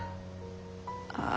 ああ。